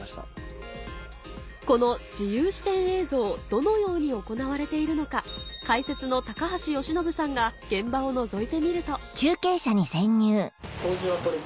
どのように行われているのか解説の高橋由伸さんが現場をのぞいてみるとはい。